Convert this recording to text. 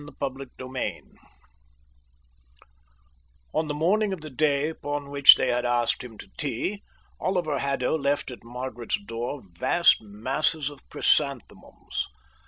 Chapter VII On the morning of the day upon which they had asked him to tea, Oliver Haddo left at Margaret's door vast masses of chrysanthemums.